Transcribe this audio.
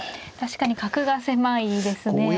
確かに角が狭いですね。